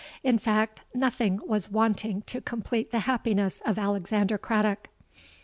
In fact, nothing was wanting to complete the happiness of Alexander Craddock.